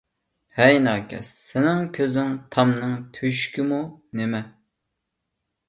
ھەي ناكەس، سېنىڭ كۆزۈڭ تامنىڭ تۆشۈكىمۇ نېمە!